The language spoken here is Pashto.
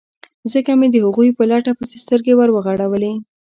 ځکه مې د هغوی په لټه پسې سترګې ور وغړولې.